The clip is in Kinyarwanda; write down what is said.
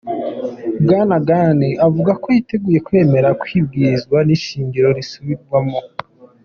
Bwana Ghani avuga ko yiteguye kwemera kw'ibwirizwa shingiro risubirwamwo.